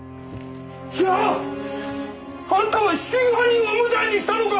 じゃああんたは真犯人を無罪にしたのか！